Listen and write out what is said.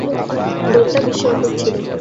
দৌড়টা বিস্ময়কর ছিল।